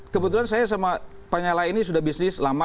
kebetulan saya sama penyala ini sudah bisnis lama